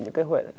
những cái hệ